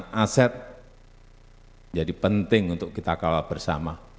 perampasan aset jadi penting untuk kita kalah bersama